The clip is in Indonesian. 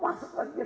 masukkan dia gila